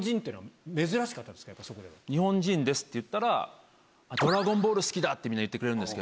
「日本人です」って言ったら「『ドラゴンボール』好きだ」ってみんな言ってくれるんですけど。